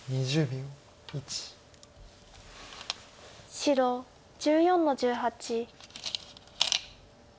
白１４の十八。